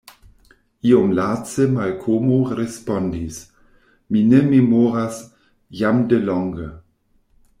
Iom lace Malkomo respondis: Mi ne memoras; jam de longe.